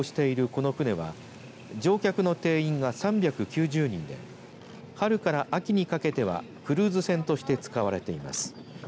この船は乗客の定員が３９０人で春から秋にかけてはクルーズ船として使われています。